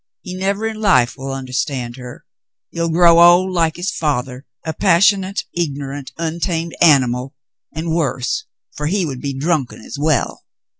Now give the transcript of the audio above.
He never in life will understand her. He'll grow old like his father, — a passionate, ignorant, untamed animal, and worse, for he would be drunken as well.